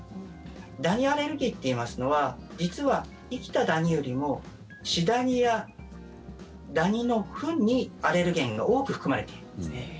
ダニアレルギーといいますのは実は生きたダニよりも死ダニやダニのフンにアレルゲンが多く含まれているんですね。